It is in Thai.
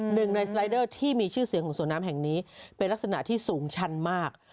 หนึ่งในสไลเดอร์ที่มีชื่อเสียงของสวนน้ำแห่งนี้เป็นลักษณะที่สูงชันมาก